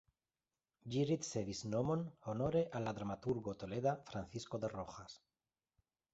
Ĝi ricevis nomon honore al la dramaturgo toleda Francisco de Rojas.